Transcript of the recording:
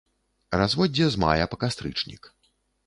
Разводдзе з мая па кастрычнік.